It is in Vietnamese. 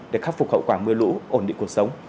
để khắc phục hậu quả mưa lũ ổn định cuộc sống